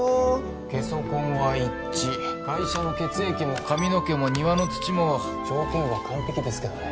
ゲソ痕は一致ガイシャの血液も髪の毛も庭の土も条件は完璧ですけどね